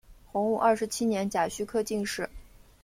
洪武二十七年甲戌科进士。